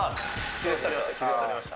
気絶されました。